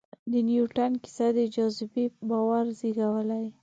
د نیوټن کیسه د جاذبې باور زېږولی.